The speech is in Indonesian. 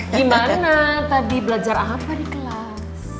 gimana tadi belajar apa di kelas